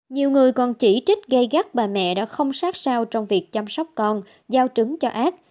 nhiều người còn chỉ trích gây gắt bà mẹ đã không sát sao trong việc chăm sóc con giao trứng cho ac